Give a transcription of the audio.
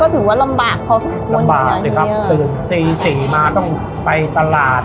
ก็ถือว่าลำบากพอสักคนอยู่อย่างเนี้ยลำบากนะครับตื่น๔๕มาต้องไปตลาด